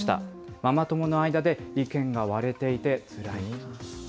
ママ友の間で意見が割れていてつらい。